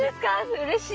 うれしい。